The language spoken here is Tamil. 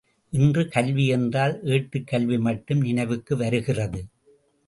இன்று, கல்வி என்றால் ஏட்டுக் கல்வி மட்டும் நினைவுக்கு வருகிறது!